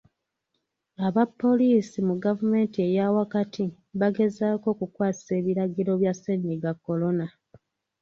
Aba poliisi mu gavumenti eyaawakati, bagezaako okukwasisa ebiragiro bya Ssennyiga Korona.